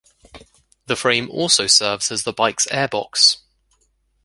The frame also serves as the bike's airbox.